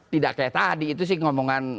tidak kayak tadi itu sih ngomongan